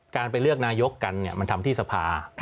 การไปเลือกนายกกันมันทำที่สภา